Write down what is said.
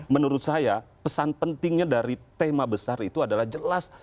menurut saya pesan pentingnya dari tema besar itu adalah jelas